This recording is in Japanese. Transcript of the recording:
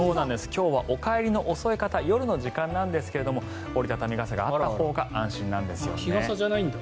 今日はお帰りの遅い方夜の時間なんですが折り畳み傘があったほうが日傘じゃないんだ。